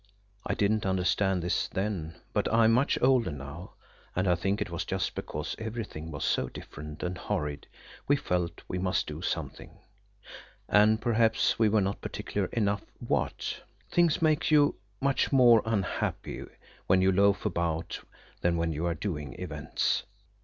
I didn't understand this then, but I am much older now, and I think it was just because everything was so different and horrid we felt we must do something; and perhaps we were not particular enough what. Things make you much more unhappy when you loaf about than when you are doing events.